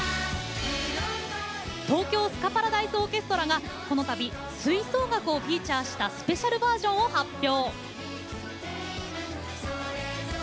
東京スカパラダイスオーケストラがこの度吹奏楽をフィーチャーしたスペシャルバージョンを発表。